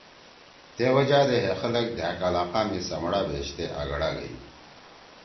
تے وجہ دے ہے خلگ دھأک علاقہ می سمَڑا بیشتے آگڑا گئی۔